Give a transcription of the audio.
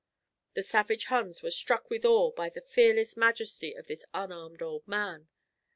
The savage Huns were struck with awe by the fearless majesty of the unarmed old man.